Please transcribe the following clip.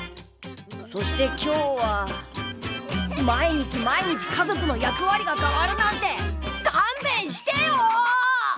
そして今日は毎日毎日家族の役割が変わるなんてかんべんしてよ！